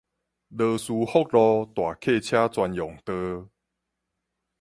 羅斯福路大客車專用道